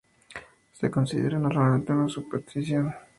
Se considera normalmente una superstición.